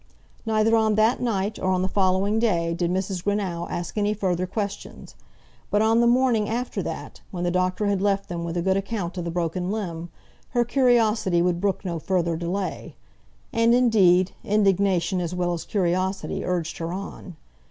Neither on that night or on the following day did Mrs. Greenow ask any further questions; but on the morning after that, when the doctor had left them with a good account of the broken limb, her curiosity would brook no further delay. And, indeed, indignation as well as curiosity urged her on.